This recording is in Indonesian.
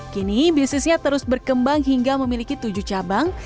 kini bisnisnya terus berkembang hingga memiliki tujuh cabang